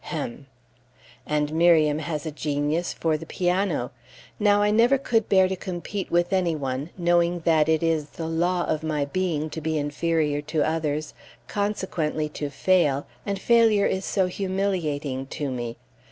Hem! And Miriam has a genius for the piano. Now I never could bear to compete with any one, knowing that it is the law of my being to be inferior to others, consequently to fail, and failure is so humiliating to me.